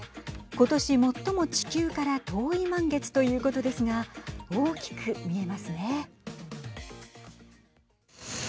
今年、最も地球から遠い満月ということですが大きく見えますね。